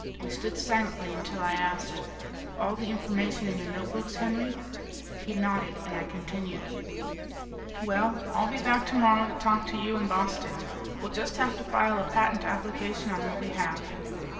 We stood silently until I asked, "All the information in your notebooks, Henry?" He nodded, and I continued, "Well, I'll be back tomorrow to talk to you and Bostick. We'll just have to file a patent application on what we have."